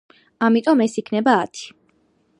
ამიტომ ეს იქნება ათი.